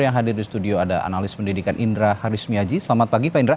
yang hadir di studio ada analis pendidikan indra harismiaji selamat pagi pak indra